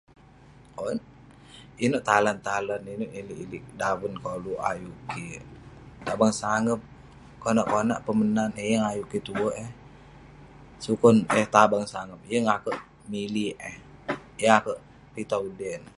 Owk, inouk talan-talan inouk ilik-ilik daven koluk ayuk kik. Tabang sangep, konak-konak peh menat eh, yeng ayuk kik tue eh. Sukon eh tabang sangep, yeng akouk mili'ik eh, yeng akouk pitah udey neh.